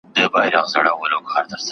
زه مخکي درسونه لوستي وو!!